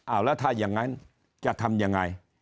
แล้วถ้าอย่างนั้นจะทำยังไง